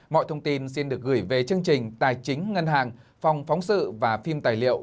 mọi thông tin xin được gửi về chương trình tài chính ngân hàng phòng phóng sự và phim tài liệu